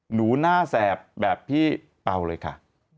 หนูหน้าแสบแบบพี่เป่าเลยค่ะ